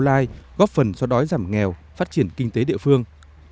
lai góp phần xóa đói giảm nghèo phát triển kinh tế địa phương